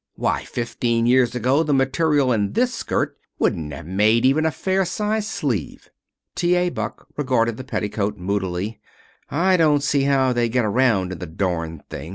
Why, fifteen years ago the material in this skirt wouldn't have made even a fair sized sleeve." T. A. Buck regarded the petticoat moodily. "I don't see how they get around in the darned things.